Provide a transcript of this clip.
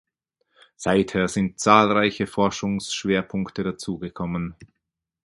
Seither sind zahlreiche Forschungsschwerpunkte dazugekommen.